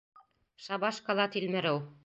Шабашкала тилмереү.